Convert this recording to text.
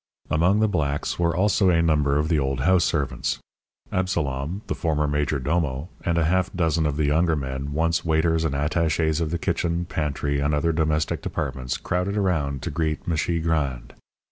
Among the blacks were also a number of the old house servants. Absalom, the former major domo, and a half dozen of the younger men, once waiters and attachés of the kitchen, pantry, and other domestic departments crowded around to greet "M'shi Grande."